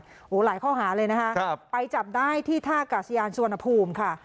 โหหลายข้อหาเลยนะฮะไปจับได้ที่ท่ากาศิยาณสวนภูมิค่ะ